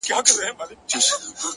هره پوښتنه د پوهې دروازه ده.!